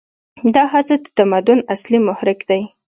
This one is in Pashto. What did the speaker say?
دا هڅه د تمدن اصلي محرک دی.